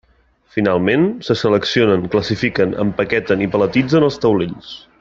Finalment, se seleccionen, classifiquen, empaqueten i paletitzen els taulells.